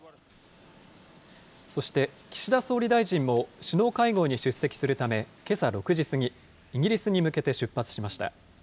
そして岸田総理大臣も、首脳会合に出席するため、けさ６時過ぎ、イギリスに向けて出発しました。